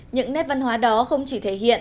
những nét văn hóa đó không chỉ thể hiện